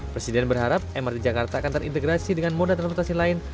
presiden berharap mrt jakarta akan terintegrasi dengan moda transportasi lain